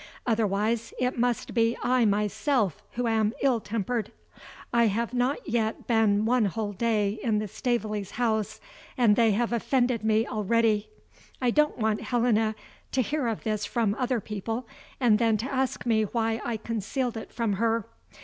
Otherwise, it must be I myself who am ill tempered. I have not yet been one whole day in the Staveleys' house, and they have offended me already. I don't want Helena to hear of this from other people, and then to ask me why I concealed it from her.